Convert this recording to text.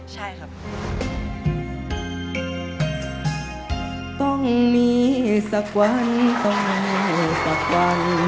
ใช่ครับ